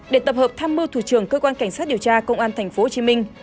để tập hợp tham mưu thủ trường cơ quan cảnh sát điều tra công an tp hcm